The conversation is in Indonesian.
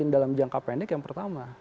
dalam jangka pendek yang pertama